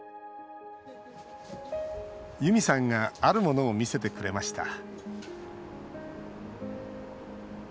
ユミさんがあるものを見せてくれました